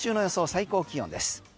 最高気温です。